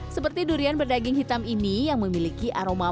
seperti durian berdaging hitam ini yang memiliki aroma